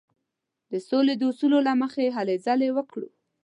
د سولې د اصولو له مخې هلې ځلې وکړو.